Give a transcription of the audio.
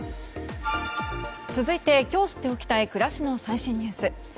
続いて今日知っておきたい暮らしの最新ニュース。